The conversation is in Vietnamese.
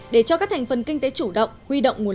để cho các thành phần kinh tế chủ động huy động nguồn